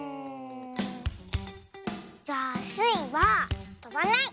じゃあスイはとばない！